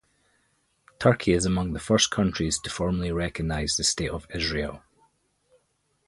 Turkey is among the first countries to formally recognize the State of Israel.